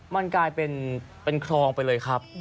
มันกลายเป็นคลองไปเลยครับ